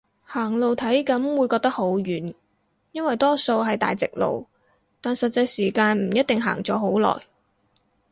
行路體感會覺得好遠，因為多數係大直路，但實際時間唔一定行咗好耐